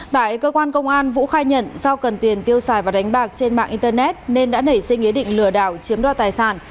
tại cơ quan công an vũ khai nhận do cần tiền tiêu xài và đánh bạc trên mạng internet nên đã nảy sinh ý định lừa đảo chiếm đoạt tài sản